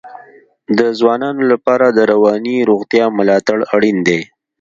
د ځوانانو لپاره د رواني روغتیا ملاتړ اړین دی.